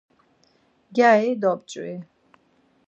Gyari dop̌ç̌vi.